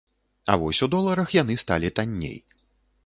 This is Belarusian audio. А вось у доларах яны сталі танней.